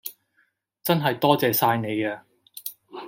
真係多謝晒你呀